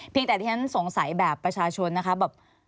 แต่ที่ฉันสงสัยแบบประชาชนนะคะแบบ